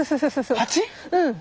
うん。